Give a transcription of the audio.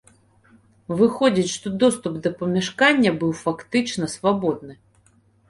Выходзіць, што доступ да памяшкання быў фактычна свабодны.